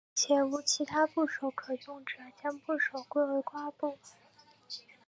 且无其他部首可用者将部首归为瓜部。